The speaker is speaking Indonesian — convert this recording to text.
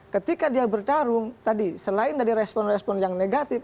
ketika dia bertarung tadi selain dari respon respon yang negatif